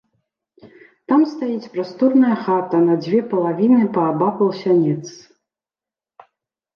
Там стаіць прасторная хата на дзве палавіны паабапал сянец.